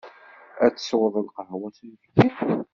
Ad tesweḍ lqahwa s uyefki.